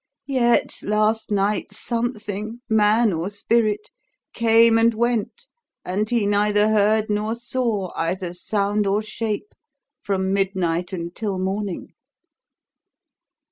Yet last night something man or spirit came and went, and he neither heard nor saw either sound or shape from midnight until morning.